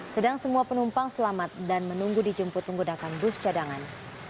sedang semua penumpang selamat dan menunggu dijemput menggunakan bus cadangan